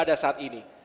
ada saat ini